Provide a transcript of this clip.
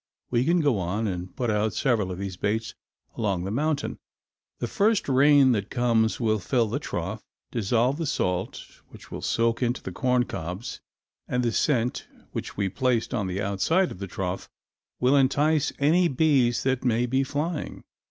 We can go on and put out several of these baits along the mountain. The first rain that comes will fill the trough, dissolve the salt, which will soak into the corncobs, and the scent which we placed on the outside of the trough will entice any bees that may be flying.